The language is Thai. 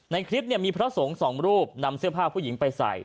ในคลิปเนี่ยมีพระสงฆ์สองรูปนำเสื้อผ้าผู้หญิงไปใส่